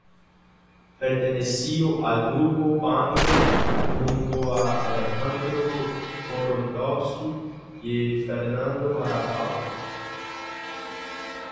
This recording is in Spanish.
Perteneció al Grupo Pánico, junto a Alejandro Jodorowsky y Fernando Arrabal.